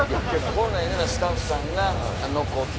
本来ならスタッフさんが残って。